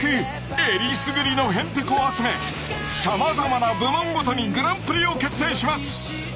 選りすぐりのへんてこを集めさまざまな部門ごとにグランプリを決定します。